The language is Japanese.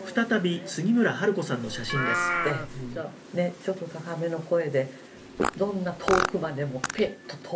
ちょっと高めの声でどんな遠くまでもピッと通る。